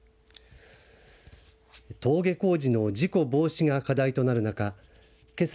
登下校時の事故防止が課題となる中けさ